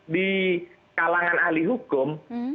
di kalangan ahli hukum